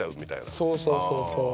そうそうそうそう。